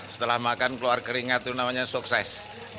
setelah makan keluar keringat itu namanya sukses